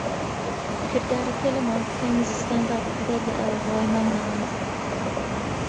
کردارەکە لە مانگەکانی زستاندا ڕوودەدات لە ئاوهەوای مامناوەند.